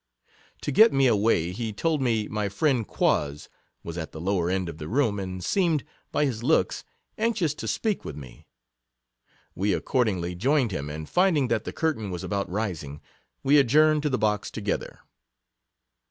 To get me away, he told me my friend Quoz was at the lower end of the room, and seemed, by his looks, anxious to speak with me ; we accordingly joined him, and finding that the curtain was about rising, we adjourned to the box together.